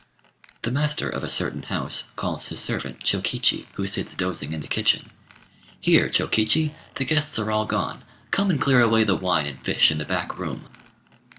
The master of a certain house calls his servant Chokichi, who sits dozing in the kitchen. "Here, Chokichi! The guests are all gone; come and clear away the wine and fish in the back room."